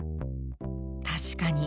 確かに。